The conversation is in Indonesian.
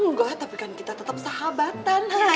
nggak tapi kan kita tetep sahabatan